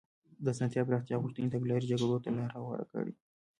د اسانتي د پراختیا غوښتنې تګلارې جګړو ته لار هواره کړه.